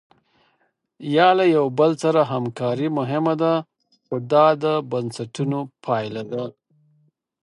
یا له یو بل سره همکاري مهمه ده خو دا د بنسټونو پایله ده.